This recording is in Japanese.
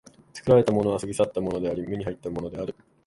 作られたものは過ぎ去ったものであり、無に入ったものである。